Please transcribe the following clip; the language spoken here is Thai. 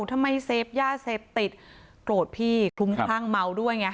ทำไมเซฟย่าเซฟติดโกรธพี่ทุ่งท่างเมาด้วยไง